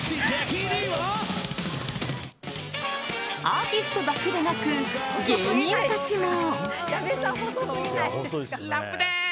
アーティストだけでなく芸人たちも。